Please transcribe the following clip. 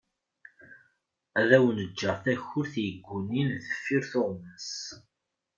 Ad awen-ğğeγ takurt yeggunin deffir tuγmas.